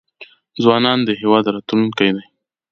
ځوانان د هیواد راتلونکی دی